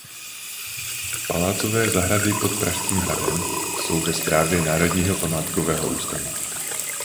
Palácové zahrady pod Pražským hradem jsou ve správě Národního památkového ústavu.